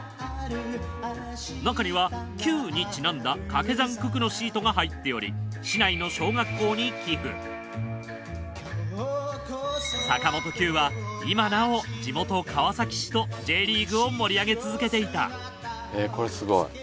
なかには九にちなんだかけ算九九のシートが入っており坂本九は今なお地元川崎市とＪリーグを盛り上げ続けていたこれすごい。